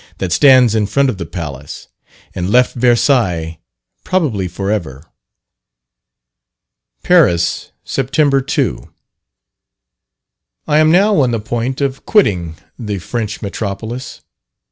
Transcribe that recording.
that stands in front of the Palace, and left Versailles, probably for ever. PARIS, September 2. I am now on the point of quitting the French Metropolis.